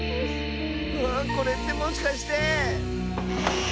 ああこれってもしかして。